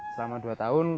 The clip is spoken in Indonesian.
selama dua tahun